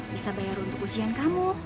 bisa bayar untuk ujian kamu